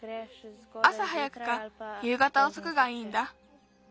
あさ早くかゆうがたおそくがいいんだ。